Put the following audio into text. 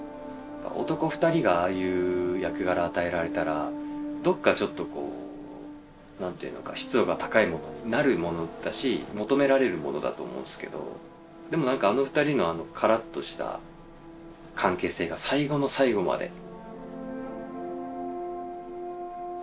男２人がああいう役柄与えられたらどこかちょっとこう何て言うのか湿度が高いものになるものだし求められるものだと思うんですけどでも何かあの２人のカラッとした関係性が最後の最後までやれたっていう。